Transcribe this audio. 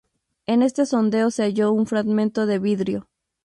En este sondeo se halló un fragmento de vidrio.